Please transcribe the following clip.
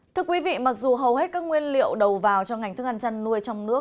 thưa quý vị mặc dù hầu hết các nguyên liệu đầu vào cho ngành thức ăn chăn nuôi trong nước